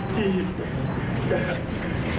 ที่จะ